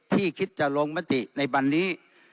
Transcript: คิดจะลงมติในวันนี้